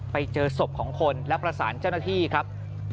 ไปเจอศพของคนและประสานเจ้าหน้าที่ครับ